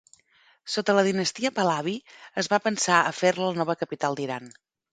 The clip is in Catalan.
Sota la dinastia Pahlavi es va pensar a fer-la la nova capital d'Iran.